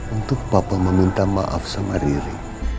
untuk bapak meminta maaf sama riri